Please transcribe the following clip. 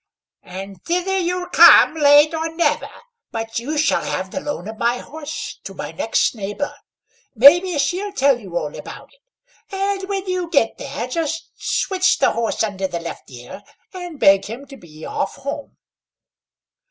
"And thither you'll come, late or never, but you shall have the loan of my horse to my next neighbour; maybe she'll tell you all about it; and when you get there, just switch the horse under the left ear, and beg him to be off home."